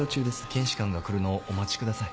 検視官が来るのをお待ちください。